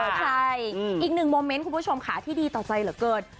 ใช่อีกนึงโมเม้นทริปชุมค๊าที่ดีต่อใจเหรอเกิด